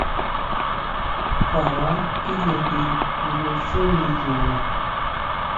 Kjua ba tijnajin jngu xé miyona.